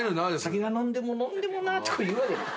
「酒は飲んでも飲んでもなぁ」とか言うわけ。